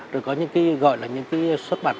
rồi có những cái gọi là những cái xuất bản